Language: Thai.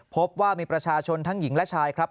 พบว่ามีประชาชนทั้งหญิงและชายครับ